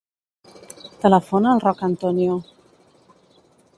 Telefona al Roc Antonio.